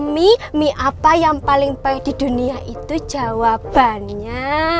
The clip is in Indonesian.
mie mie apa yang paling baik di dunia itu jawabannya